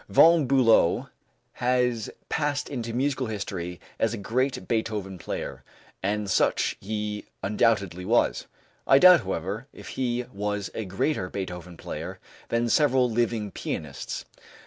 Von Bülow has passed into musical history as a great Beethoven player, and such he undoubtedly was. I doubt, however, if he was a greater Beethoven player than several living pianists.